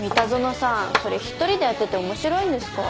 それ一人でやってて面白いんですか？